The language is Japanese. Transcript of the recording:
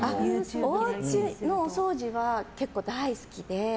おうちのお掃除は結構大好きで。